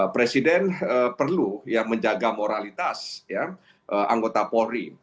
presiden perlu menjaga moralitas anggota polri